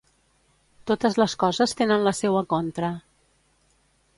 Totes les coses tenen la seua contra.